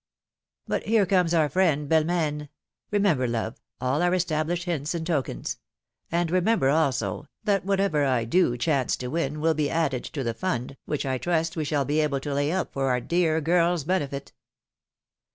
" But here comes our friend Belmaine. Remember, love, all our established hints and tokens ; and remember, also, that whatever I do chance to win will be added to the fund, which I trust we shall be able to lay up for our dear girl's benefit.